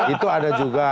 itu ada juga